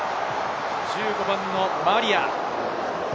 １５番のマリア。